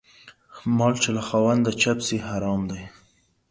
مال چې له خاونده چپ سي حرام دى.